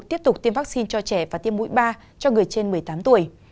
tiếp tục tiêm vaccine cho trẻ và tiêm mũi ba cho người trên một mươi tám tuổi